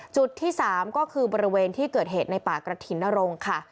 จุดที่๓ก็คือบริเวณที่เกิดเหตุในป่ากระถิ่นนรงค์ค่ะ